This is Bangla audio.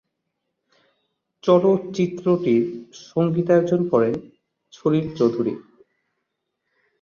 চলচ্চিত্রটির সঙ্গীতায়োজন করেন সলিল চৌধুরী।